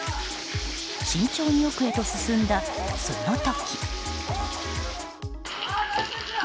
慎重に奥へと進んだ、その時。